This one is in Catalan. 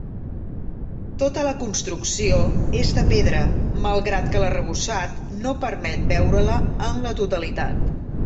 Tota la construcció és de pedra, malgrat que l'arrebossat no permet veure-la en la totalitat.